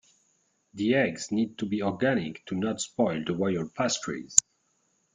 The eggs need to be organic to not spoil the royal pastries.